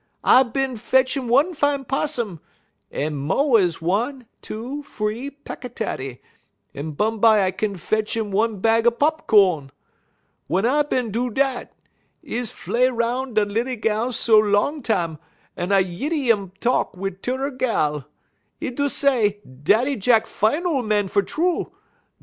I bin fetch 'im one fine 'possum, un mo' ez one, two, free peck a taty, un bumbye I bin fetch 'im one bag pop co'n. Wun I bin do dat, I is fley 'roun' da' lilly gal so long tam, un I yeddy 'im talk wit' turrer gal. 'E do say: 'Daddy Jack fine ole man fer true.'